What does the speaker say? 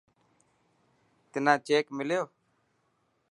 تنا چيڪ مليو.